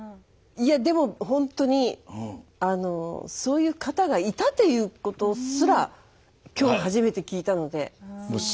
いやでもほんとにそういう方がいたということすら今日初めて聞いたので。